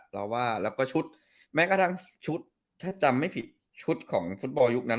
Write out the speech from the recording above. เราว่าแล้วก็ชุดแม้กระทั่งชุดถ้าจำไม่ผิดชุดของฟุตบอลยุคนั้น